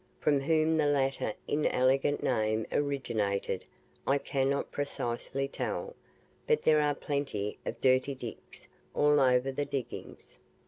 From whom the latter inelegant name originated I cannot precisely tell but there are plenty of "dirty Dicks" all over the diggings.